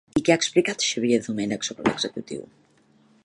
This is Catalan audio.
I què ha explicat Xavier Domènech sobre l'executiu?